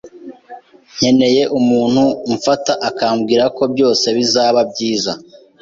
Nkeneye umuntu umfata akambwira ko byose bizaba byiza.